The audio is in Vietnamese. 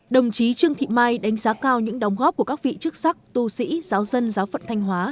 đồng chí trương thị mai đánh giá cao những đóng góp của các vị chức sắc tu sĩ giáo dân giáo phận thanh hóa